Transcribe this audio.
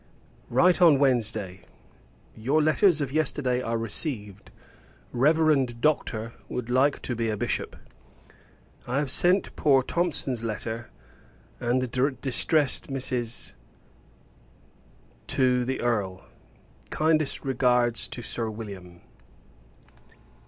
Write on Wednesday. Your letters of yesterday are received. Reverend Doctor would like to be a Bishop. I have sent poor Thomson's letter, and the distressed Mrs. , to the Earl. Kindest regards to Sir William.